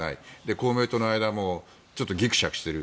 公明党の間もちょっとぎくしゃくしている。